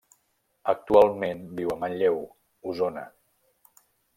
Actualment viu a Manlleu, Osona.